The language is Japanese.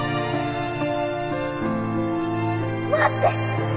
待って！